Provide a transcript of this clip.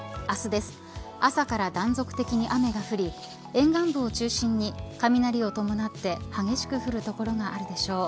朝から断続的に雨が降り沿岸部を中心に雷を伴って激しく降る所があるでしょう。